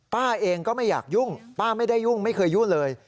ป้าเองก็ไม่อยากยุ่งป้าไม่ได้ยุ่งไม่เคยยุ่งเลย